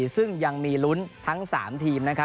ซึ่งยังมีลุ้นทั้ง๓ทีม